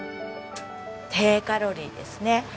低カロリーですね。